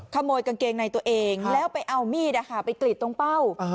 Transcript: ขโมยกางเกงในตัวเองแล้วไปเอามีดไปกรีดตรงเป้า